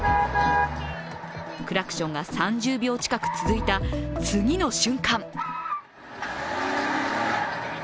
クラクションが３０秒近く続いた次の瞬間